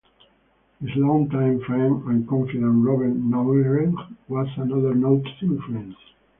His long-time friend and confidant Robert Noehren was another noted influence.